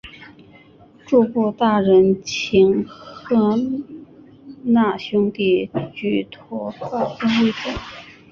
诸部大人请贺讷兄弟举拓跋圭为主。